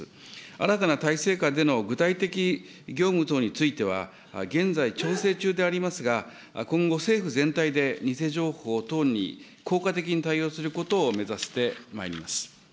新たな体制下での具体的業務等については、現在、調整中でありますが、今後、政府全体で偽情報等に効果的に対応することを目指してまいります。